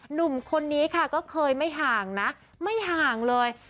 หนุ่มคนนี้ค่ะก็เคยไม่ห่างนะไม่ห่างเลย